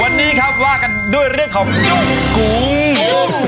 วันนี้ครับว่ากันด้วยเรื่องของยุ่งกุ้ง